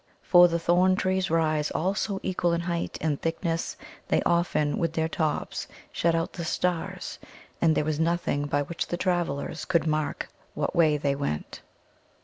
For the thorn trees rise all so equal in height and thickness they often with their tops shut out the stars, and there was nothing by which the travellers could mark what way they went.